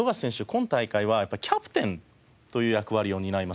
今大会はやっぱりキャプテンという役割を担います。